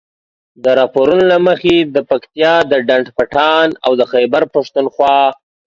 د راپورونو له مخې د پکتیا د ډنډ پټان او د خيبر پښتونخوا